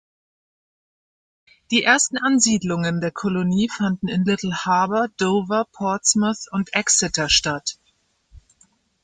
Die ersten Ansiedlungen der Kolonie fanden in Little Harbor, Dover, Portsmouth und Exeter statt.